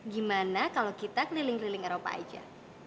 gimana kalau kita keliling keliling eropa aja